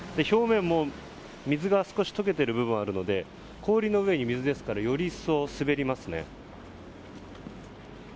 表面も水が少し溶けている部分もあるので氷の上に水ですからより一層滑りますね。